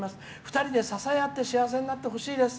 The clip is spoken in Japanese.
２人で支えって幸せになってほしいです。